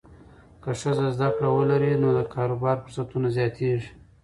که ښځه زده کړه ولري، نو د کاروبار فرصتونه زیاتېږي.